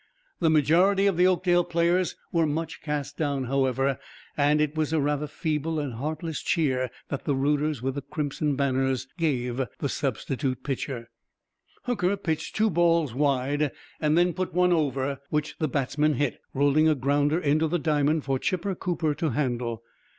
The majority of the Oakdale players were much cast down, however, and it was a rather feeble and heartless cheer that the rooters with the crimson banners gave the substitute pitcher. Hooker pitched two balls wide, and then put one over; which the batsman hit, rolling a grounder into the diamond for Chipper Cooper to handle.